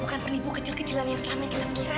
bukan penipu kecil kecilan yang selama kita kira